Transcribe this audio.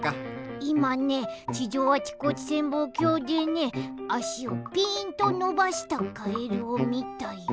いまね地上あちこち潜望鏡でねあしをぴーんとのばしたカエルをみたよ。